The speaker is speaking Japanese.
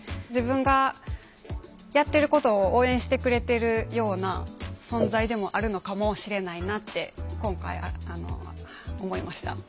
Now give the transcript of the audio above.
自分がやってることを応援してくれてるような存在でもあるのかもしれないなって今回思いました。